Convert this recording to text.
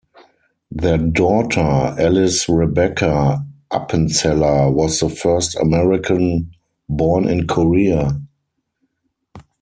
Their daughter Alice Rebecca Appenzeller was the first American born in Korea.